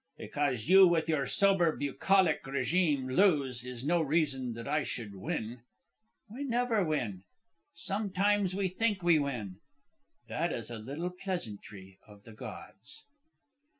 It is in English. "Because you with your sober bucolic regime, lose, is no reason that I should win. We never win. Sometimes we think we win. That is a little pleasantry of the gods."